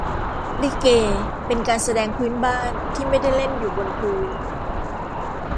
ลิเก เป็นการแสดงพื้นบ้าน ที่ไม่ได้เล่นอยู่บนพื้น